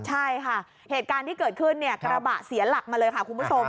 ใช่ค่ะเหตุการณ์ที่เกิดขึ้นเนี่ยกระบะเสียหลักมาเลยค่ะคุณผู้ชม